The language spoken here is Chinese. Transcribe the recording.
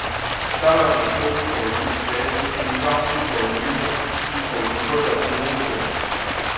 加勒比黑巨口鱼为辐鳍鱼纲巨口鱼目巨口鱼科的其中一种。